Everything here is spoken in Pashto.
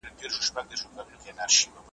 موږ ته قسمت پر کنډوونو ورکي لاري کښلي .